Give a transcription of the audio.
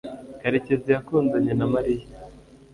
karekezi yakundanye na mariya